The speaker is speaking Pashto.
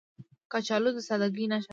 کچالو د سادګۍ نښه ده